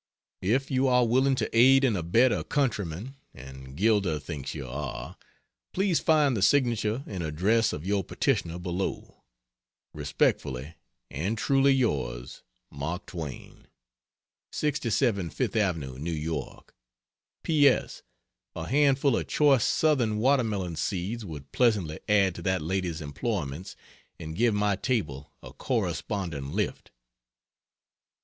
If you are willing to aid and abet a countryman (and Gilder thinks you are,) please find the signature and address of your petitioner below. Respectfully and truly yours. MARK TWAIN, 67 Fifth Avenue, New York. P. S. A handful of choice (Southern) watermelon seeds would pleasantly add to that lady's employments and give my table a corresponding lift.